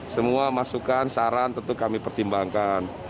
semua masukan saran tentu kami pertimbangkan